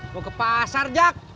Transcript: mau ke pasar jak